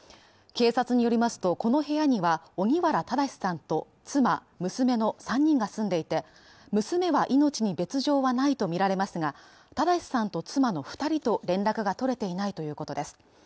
警察によりますと、この部屋には荻原正さんと妻、娘の３人が住んでいて、娘は命に別状はないとみられますが正さんと妻の２人連絡が取れていないということです。